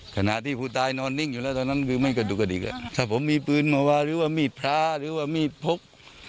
ขณะที่ผู้ตายนอนนิ่งอยู่แล้วตอนนั้นคือไม่กระดูกกระดิกอ่ะถ้าผมมีปืนมาวาหรือว่ามีดพระหรือว่ามีดพก